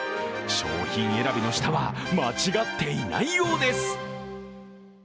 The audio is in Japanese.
商品選びの舌は間違っていないようです。